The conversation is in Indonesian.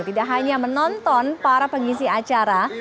tidak hanya menonton para pengisi acara